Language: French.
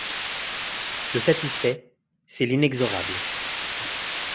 Le satisfait, c’est l’inexorable.